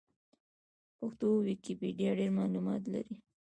پښتو ويکيپېډيا ډېر معلومات لري.